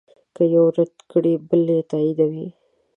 که یو رد کړې بل به یې تاییدوي.